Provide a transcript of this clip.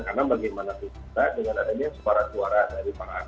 karena bagaimana kita dengan adanya suara suara dari pak aker ini